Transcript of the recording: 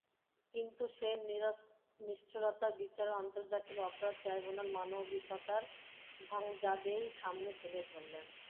কিন্তু সেই নিষ্ঠুরতার বিচারেও আন্তর্জাতিক অপরাধ ট্রাইব্যুনাল মানবিকতার ধ্বজাকেই সামনে তুলে ধরলেন।